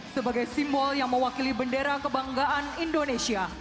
sebagai simbol yang mewakili bendera kebanggaan indonesia